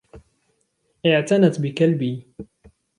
اعتنت بكلبي.